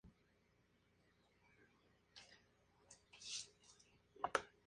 Es inervado por la rama posterior del nervio radial, llamada nervio inter-ósea posterior.